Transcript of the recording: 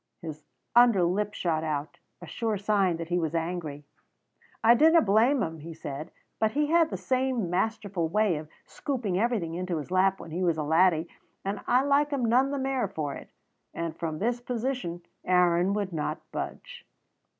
His under lip shot out, a sure sign that he was angry. "I dinna blame him," he said, "but he had the same masterful way of scooping everything into his lap when he was a laddie, and I like him none the mair for it"; and from this position Aaron would not budge.